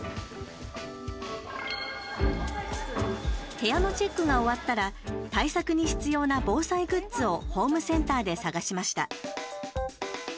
部屋のチェックが終わったら対策に必要な防災グッズをホームセンターで探しました。